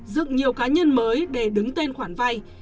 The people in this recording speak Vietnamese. dựng nhiều cá nhân mới để đứng tên khoản vay